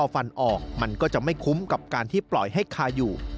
ฟันออกมันก็จะไม่คุ้มกับการที่ปล่อยให้คาอยู่